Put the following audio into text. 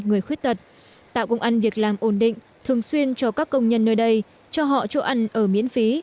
người khuyết tật tạo công an việc làm ổn định thường xuyên cho các công nhân nơi đây cho họ chỗ ăn ở miễn phí